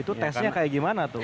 nah tesnya seperti bagaimana